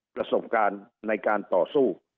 ประสบการณ์ในการต่อสู้